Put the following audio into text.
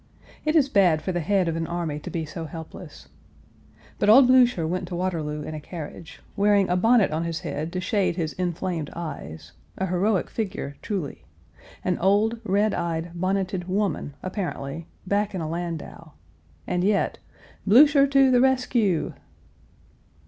It is bad for the head of an army to be so helpless. But old Blücher went to Waterloo in a carriage, wearing a bonnet on his head to shade his inflamed eyes a heroic figure, truly; an old, red eyed, bonneted woman, apparently, back in a landau. And yet, "Blücher to the rescue!"